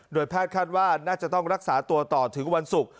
แพทย์คาดว่าน่าจะต้องรักษาตัวต่อถึงวันศุกร์